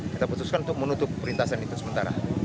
kita putuskan untuk menutup perlintasan itu sementara